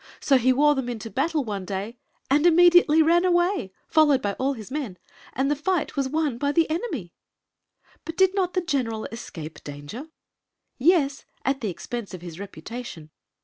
So he wore them into battle one day, and immediately ran away, followed by all his men, and the fight was won by the enemy." " But did not the general escape danger?" " Yes— at the expense of his reputation.